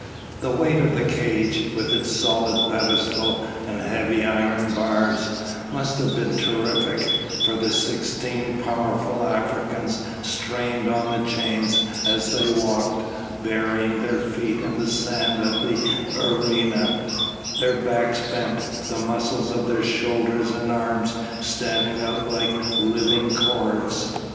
The weight of the cage, with its solid pedestal and heavy iron bars, must have been terrific, for the sixteen powerful Africans strained on the chains as they walked, burying their feet in the sand of the arena, their backs bent, the muscles of their shoulders and arms standing out like living cords.